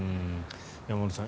山村さん